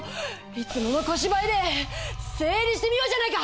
いつもの小芝居で整理してみようじゃないか！